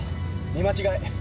見間違い！